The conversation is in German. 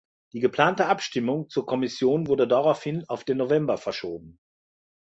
Die geplante Abstimmung zur Kommission wurde daraufhin auf den November verschoben.